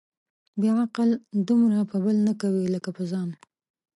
بې عقل دومره په بل نه کوي ، لکه په ځان.